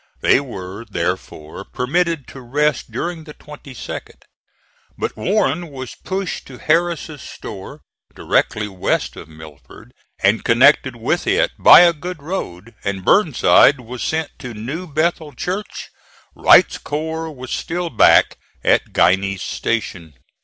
They were, therefore, permitted to rest during the 22d. But Warren was pushed to Harris's Store, directly west of Milford, and connected with it by a good road, and Burnside was sent to New Bethel Church. Wright's corps was still back at Guiney's Station.